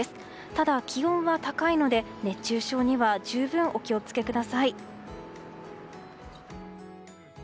ただ、気温は高いので熱中症には十分お気を付けください。